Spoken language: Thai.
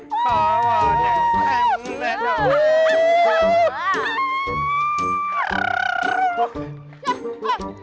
ขอบอดอย่างแข็งแม่นหนู